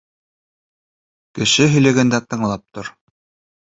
Кеше һөйләгәндә тыңлап тор.